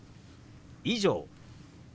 「以上」。